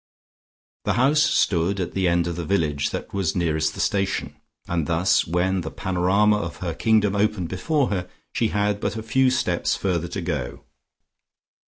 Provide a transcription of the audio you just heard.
The house stood at the end of the village that was nearest the station, and thus, when the panorama of her kingdom opened before her, she had but a few steps further to go.